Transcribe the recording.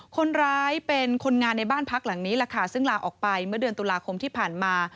คนร้ายเป็นคนงานในบ้านพักหลังนี้แหละค่ะซึ่งลาออกไปเมื่อเดือนตุลาคมที่ผ่านมา